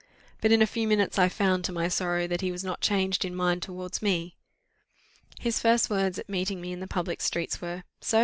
But in a few minutes I found, to my sorrow, that he was not changed in mind towards me. "His first words at meeting me in the public streets were, 'So!